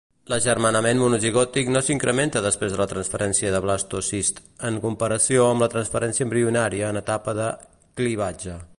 L'agermanament monozigòtic no s'incrementa després de la transferència de blastocist en comparació amb la transferència embrionària en etapa de clivatge.